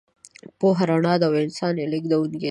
پوهه رڼا ده او انسان یې لېږدونکی دی.